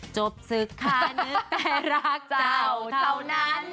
จบศึกค่ะนึกแต่รักเจ้าเท่านั้น